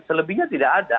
selebihnya tidak ada